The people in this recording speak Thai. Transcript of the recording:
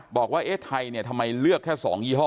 บอกว่าเอ๊ะไทยเนี่ยทำไมเลือกแค่๒ยี่ห้อ